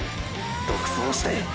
独走して！！